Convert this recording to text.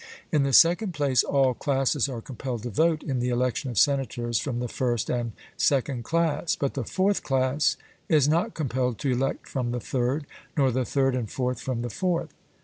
In the second place, all classes are compelled to vote in the election of senators from the first and second class; but the fourth class is not compelled to elect from the third, nor the third and fourth from the fourth.